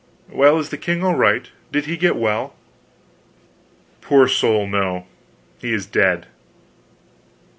Well is the king all right? Did he get well?" "Poor soul, no. He is dead."